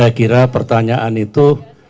saya kira pertanyaan itu